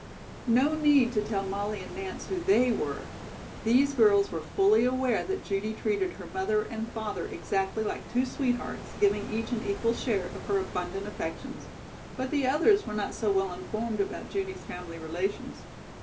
No need to tell Molly and Nance who "they" were. These girls were fully aware that Judy treated her mother and father exactly like two sweethearts, giving each an equal share of her abundant affections; but the others were not so well informed about Judy's family relations.